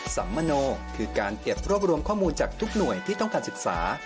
สัมมโนคือการเก็บรวบรวมข้อมูลจากทุกหน่วยที่ต้องการศึกษา